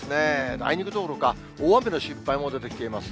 あいにくどころか、大雨の心配も出てきています。